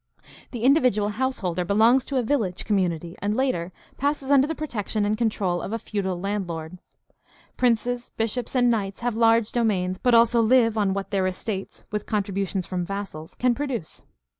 The individual householder belongs to a village community and later passes under the protection and CHRISTIANITY AND SOCIAL PROBLEMS 693 control of a feudal landlord. Princes, bishops, and knights have large domains, but also live on what their estates, with contributions from vassals, can produce.